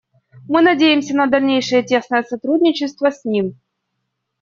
Мы надеемся на дальнейшее тесное сотрудничество с ним.